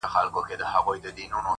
خدایه هغه مه اخلې زما تر جنازې پوري _